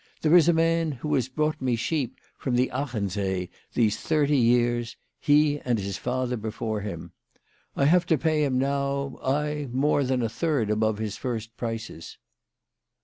There is a man who has brought me sheep from the Achensee these thirty years, he and his father before him. I have to pay him now, ay, more than a third above his first prices."